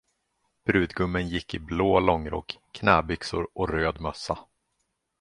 Brudgummen gick i blå långrock, knäbyxor och röd mössa.